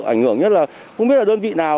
ảnh hưởng nhất là không biết là đơn vị nào